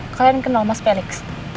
kalian kenal mas felix